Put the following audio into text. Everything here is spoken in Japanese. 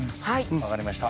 分かりました。